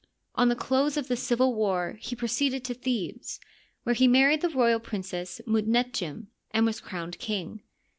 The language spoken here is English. On the close of the civil war he proceeded to Thebes, where he married the royal princess Mut netjem and was crowned king.